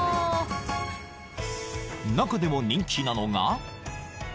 ［中でも人気なのが］